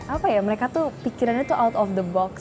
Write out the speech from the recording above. apa ya mereka tuh pikirannya tuh out of the box